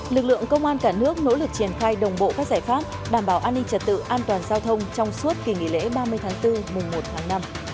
lực lượng công an cả nước nỗ lực triển khai đồng bộ các giải pháp đảm bảo an ninh trật tự an toàn giao thông trong suốt kỳ nghỉ lễ ba mươi tháng bốn mùng một tháng năm